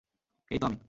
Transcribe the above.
এই তো আমি।